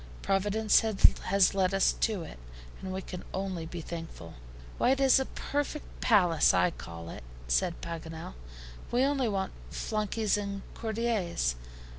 Providence has led us to it, and we can only be thankful." "Why, it is a perfect palace, I call it," said Paganel; "we only want flunkeys and courtiers.